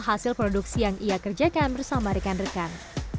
hasil produksi yang ia kerjakan bersama rekan rekan